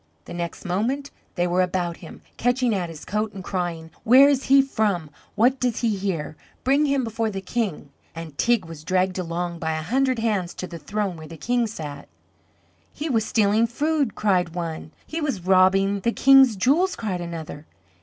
The next moment they were about him, catching at his coat and crying: "Where is he from, what does he here? Bring him before the King!" And Teig was dragged along by a hundred hands to the throne where the King sat. "He was stealing food," cried one. "He was robbing the King's jewels," cried another.